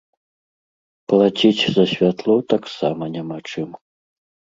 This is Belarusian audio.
Плаціць за святло таксама няма чым.